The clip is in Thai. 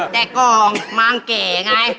แกะกองบางแกะไง